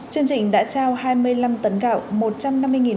chương trình đã trao hai mươi năm tấn gạo